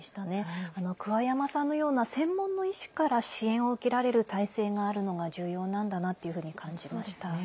桑山さんのような専門の医師から支援を受けられる体制があるのが重要なんだなというふうに感じました。